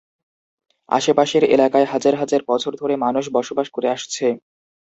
আশেপাশের এলাকায় হাজার হাজার বছর ধরে মানুষ বসবাস করে আসছে।